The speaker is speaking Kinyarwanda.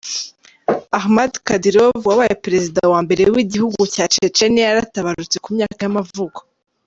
Akhmad Kadyrov, wabaye perezida wa mbere w’igihugucya Checheniya yaratabarutse, ku myaka y’amavuko.